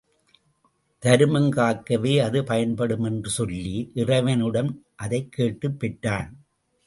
தருமம் காக்கவே அது பயன்படும் என்று சொல்லி இறைவனிடம் அதைக் கேட்டுப் பெற்றான்.